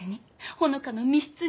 ほのかの密室に。